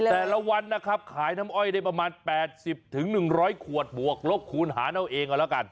แต่ละวันนะครับขายน้ำอ้อยได้ประมาณ๘๐๑๐๐ขวดบวกลกคูณหาเนาะเอง